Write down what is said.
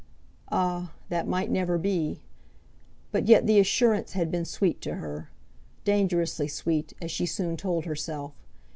Ah! that might never be. But yet the assurance had been sweet to her; dangerously sweet, as she soon told herself.